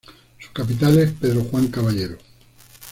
Su capital es Pedro Juan Caballero.